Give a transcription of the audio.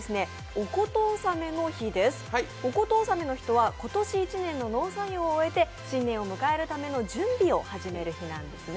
御事納めの日とは、今年１年の農作業を終えて新年を迎えるための準備を始める日なんですね。